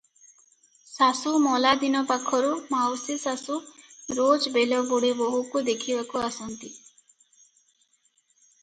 ଶାଶୁ ମଲା ଦିନ ପାଖରୁ ମାଉସୀଶାଶୁ ରୋଜ ବେଳବୁଡ଼େ ବୋହୂକୁ ଦେଖିବାକୁ ଆସନ୍ତି ।